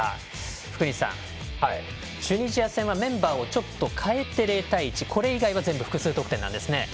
福西さん、チュニジア戦はメンバーを少し変えて０対１、これ以外は全部複数得点ですね。